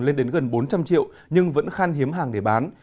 lên đến gần bốn trăm linh triệu nhưng vẫn khan hiếm hàng để bán